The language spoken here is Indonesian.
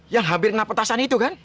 yang hampir ngapet tasan itu kan